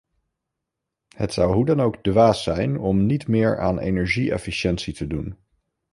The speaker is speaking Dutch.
Het zou hoe dan ook dwaas zijn om niet meer aan energie-efficiëntie te doen.